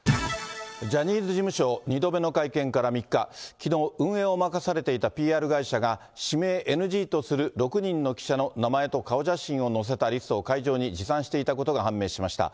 きのう、運営を任されていたＰＲ会社が、指名ＮＧとする６人の記者の名前と顔写真を載せたリストを会場に持参していたことが判明しました。